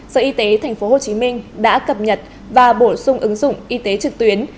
sở y tế tp hcm đã cập nhật và bổ sung ứng dụng y tế trực tuyến